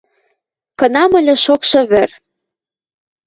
Кынам ыльы шокшы вӹр...»